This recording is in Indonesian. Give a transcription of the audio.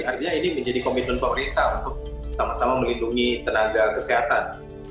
artinya ini menjadi komitmen pemerintah untuk sama sama melindungi tenaga kesehatan